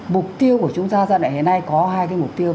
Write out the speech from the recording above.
mục tiêu của chúng ta hiện nay có hai mục tiêu